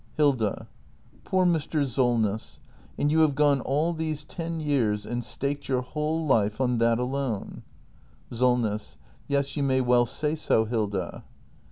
Hilda. Poor Mr. Solness! And you have gone all these ten years — and staked your whole life — on that alone. Solness. Yes, you may well say so, Hilda.